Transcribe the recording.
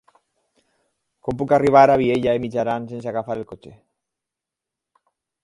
Com puc arribar a Vielha e Mijaran sense agafar el cotxe?